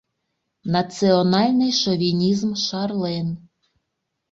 Национальный шовинизм шарлен.